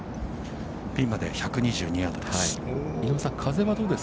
◆ピンまで１２２ヤードです。